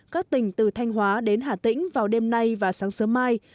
các tỉnh từ thanh hóa đến hà tĩnh vào đêm nay và sáng sớm mai